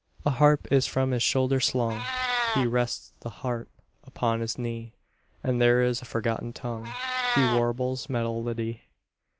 A harp is from his shoulder slung; He rests the harp upon his knee, And there in a forgotten tongue He warbles melody.